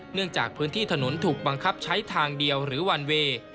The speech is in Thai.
เนื่องจากพื้นที่ถนนถูกบังคับใช้ทางเดียวหรือวันเวย์